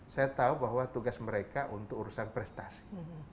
saya tahu bahwa tugas mereka untuk urusan prestasi